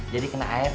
jadi kena air